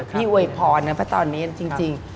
พี่อวยพรนะเพราะตอนนี้จริง